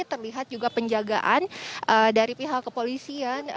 terlihat juga penjagaan dari pihak kepolisian